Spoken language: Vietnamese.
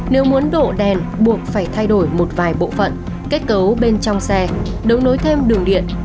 nếu muốn đổ đèn buộc phải thay đổi một vài bộ phận kết cấu bên trong xe đấu nối thêm đường điện